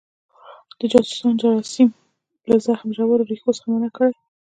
د جاسوسانو جراثیم له زخم ژورو ریښو څخه منع کړي.